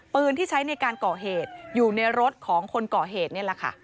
ปืนที่ใช้ในการก่อเหตุอยู่ในรถของคนก่อเหตุนี่แหละค่ะ